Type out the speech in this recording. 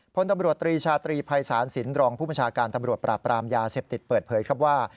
พลตำรวจตรีชาตรีภัยศาลสินรองผู้บัญชาการตำรวจปราบปรามยาเสพติดเปิดเผยครับว่า